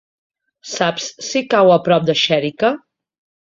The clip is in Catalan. Saps si cau a prop de Xèrica?